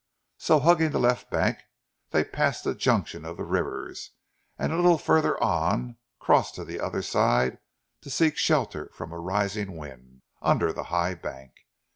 So hugging the left bank they passed the junction of the rivers, and a little further on crossed to the other side to seek shelter from a rising wind, under the high bank.